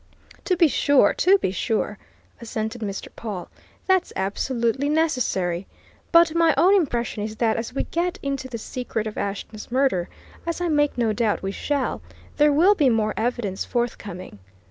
"To be sure, to be sure!" assented Mr. Pawle. "That's absolutely necessary. But my own impression is that as we get into the secret of Ashton's murder, as I make no doubt we shall, there will be more evidence forthcoming.